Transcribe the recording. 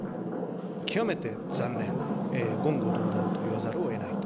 極めて残念、言語道断と言わざるをえないと。